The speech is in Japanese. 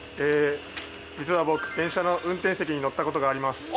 実は僕、電車の運転席に乗ったことがあります。